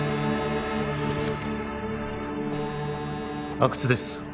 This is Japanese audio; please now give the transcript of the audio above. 阿久津です